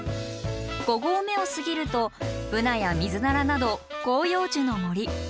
五合目を過ぎるとブナやミズナラなど広葉樹の森。